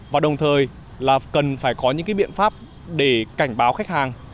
và đồng thời là cần phải có những biện pháp để cảnh báo khách hàng